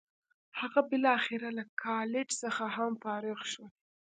هغه بالاخره له کالج څخه هم فارغ شو.